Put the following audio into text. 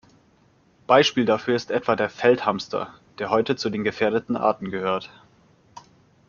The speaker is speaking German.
Beispiel dafür ist etwa der Feldhamster, der heute zu den gefährdeten Arten gehört.